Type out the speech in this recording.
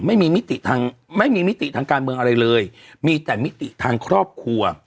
ไม่มีมิติทางไม่มีมิติทางการเมืองอะไรเลยมีแต่มิติทางครอบครัว